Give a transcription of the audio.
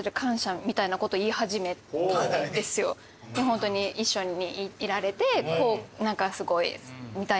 ホントに一緒にいられて何かすごいみたいな。